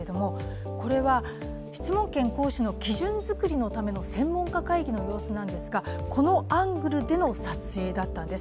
これは質問権行使のための専門家会議の様子なんですが、このアングルでの撮影だったんです。